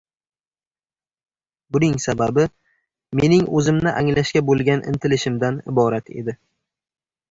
buning sababi mening o‘zimni anglashga bo‘lgan intilishimdan iborat edi.